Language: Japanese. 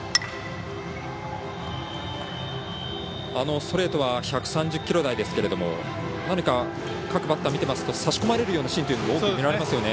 ストレートは１３０キロ台ですが何か、各バッター見ていますと差し込まれるシーンというのが多く見られますよね。